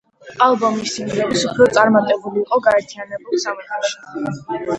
ალბომის სინგლების უფრო წარმატებული იყო გაერთიანებულ სამეფოში.